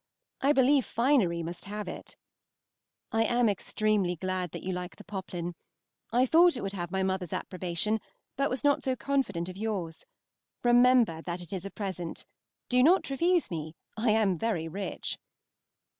I believe finery must have it. I am extremely glad that you like the poplin. I thought it would have my mother's approbation, but was not so confident of yours. Remember that it is a present. Do not refuse me. I am very rich.